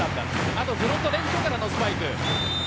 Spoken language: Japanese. あとはフロント、レフトからのスパイク。